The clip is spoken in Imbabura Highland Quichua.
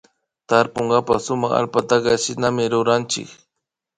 Tarpunkapak sumak allpataka shinami ruranchik